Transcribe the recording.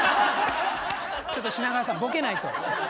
ちょっと品川さんボケないと。